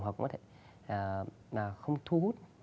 hoặc có thể là không thu hút